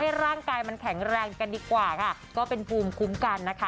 ร่างกายมันแข็งแรงกันดีกว่าค่ะก็เป็นภูมิคุ้มกันนะคะ